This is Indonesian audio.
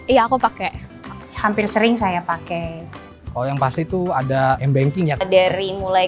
iya aku pakai hampir sering saya pakai oh yang pasti tuh ada m bankingnya dari mulai